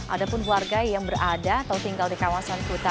adapun keluarga yang berada atau tinggal di kawasan kuta